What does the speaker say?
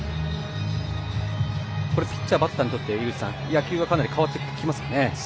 ピッチャー、バッターにとって野球がかなり変わってきますかね。